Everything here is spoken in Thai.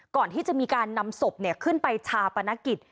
ก่อนที่จะมีการนำศพขึ้นไปชาปนกิจ